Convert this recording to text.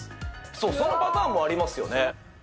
そう、そのパターンもありますよね。